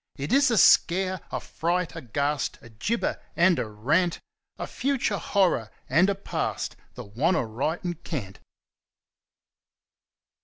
It is a Scare, a Fright, a Ghast, a Gibber, and a Rant, A future Horror and a Past, the Wantaritencant!